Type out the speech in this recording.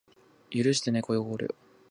許してね恋心よ